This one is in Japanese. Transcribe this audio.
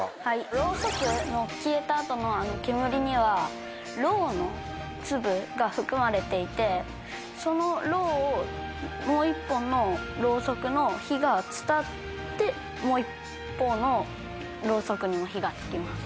ろうそくの消えた後の煙にはろうの粒が含まれていてそのろうをもう１本のろうそくの火が伝ってもう一方のろうそくにも火がつきます。